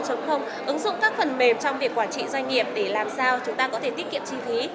ứng dụng các phần mềm trong việc quản trị doanh nghiệp để làm sao chúng ta có thể tiết kiệm chi phí